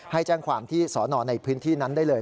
ให้แจ้งความที่สอนอในพื้นที่นั้นได้เลย